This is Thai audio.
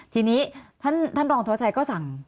ทีนี้ท่านรองทวชัยก็สั่ง